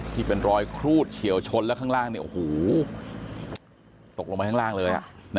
ที่เป็นรอยครูดเฉียวชนแล้วข้างล่างตกลงไปข้างล่างเลย